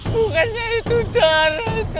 bunganya itu dar